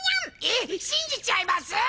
えっ信じちゃいます？